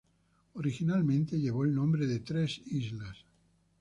Originalmente llevó el nombre de "Tres Islas".